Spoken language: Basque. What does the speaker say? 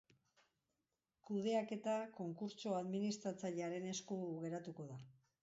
Kudeaketa konkurtso administratzailearen esku geratuko da.